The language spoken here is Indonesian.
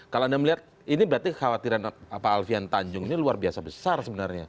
kalau anda melihat ini berarti kekhawatiran pak alfian tanjung ini luar biasa besar sebenarnya